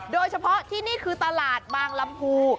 โดยเฉพาะที่นี่คือตลาดบางลำพู